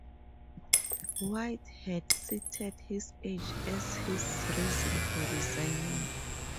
White had cited his age as his reason for resigning.